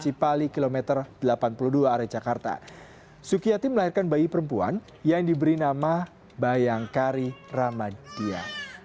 di kota sikali kilometer delapan puluh dua area jakarta sukiyati melahirkan bayi perempuan yang diberi nama bayangkari ramadhiya